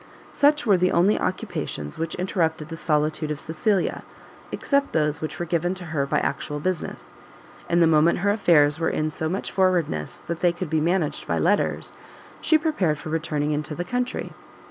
Such were the only occupations which interrupted the solitude of Cecilia, except those which were given to her by actual business; and the moment her affairs were in so much forwardness that they could be managed by letters, she prepared for returning into the country.